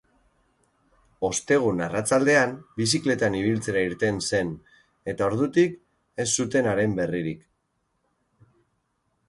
Ostegun arratsaldean bizikletan ibiltzera irten zen, eta ordutik ez zuten haren berririk.